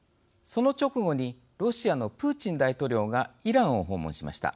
その直後にロシアのプーチン大統領がイランを訪問しました。